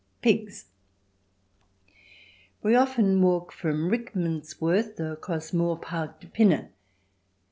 Pigs We often walk from Rickmansworth across Moor Park to Pinner.